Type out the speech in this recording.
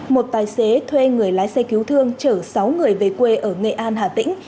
một tài xế thuê người lái xe cứu thương chở sáu người về quê ở nghệ an hà tĩnh